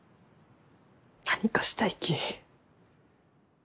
何かしたいき。